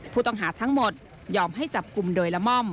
ผู้ต้องหาทั้งหมดยอมให้จับกลุ่มโดยละม่อม